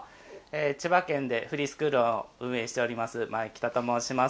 千葉県でフリースクールを運営しております前北と申します。